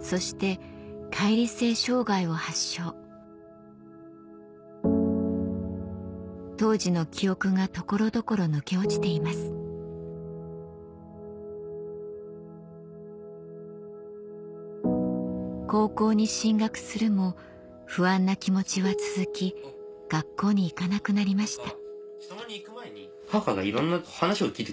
そして解離性障害を発症当時の記憶が所々抜け落ちています高校に進学するも不安な気持ちは続き学校に行かなくなりました